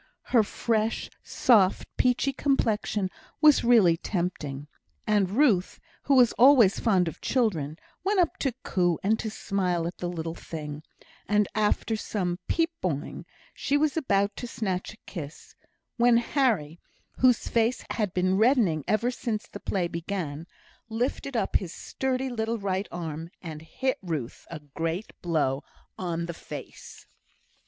Her fresh, soft, peachy complexion was really tempting; and Ruth, who was always fond of children, went up to coo and to smile at the little thing, and, after some "peep boing," she was about to snatch a kiss, when Harry, whose face had been reddening ever since the play began, lifted up his sturdy little right arm and hit Ruth a great blow on the face.